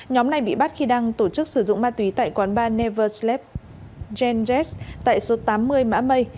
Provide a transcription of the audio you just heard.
nhóm này bị bắt khi đăng tổ chức sử dụng ma túy tại quán ba nevers lab genjet tại số tám mươi mã mây